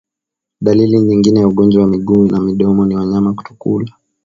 Dalili nyingine ya ugonjwa wa miguu na midomo ni wanyama kutokula